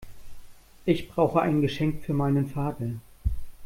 Ich brauche ein Geschenk für meinen Vater.